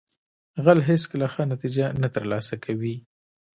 غل هیڅکله ښه نتیجه نه ترلاسه کوي